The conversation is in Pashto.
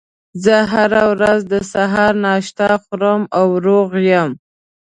زه هره ورځ د سهار ناشته خورم او روغ یم